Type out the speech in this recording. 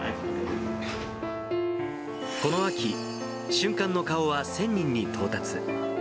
この秋、瞬間の顔は１０００人に到達。